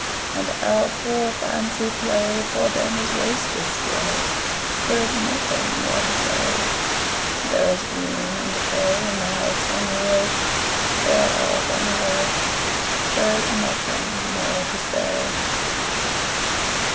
And our poor fancy play For them is wasted skill: There is nothing more to say. There is ruin and decay In the House on the Hill They are all gone away, There is nothing more to say.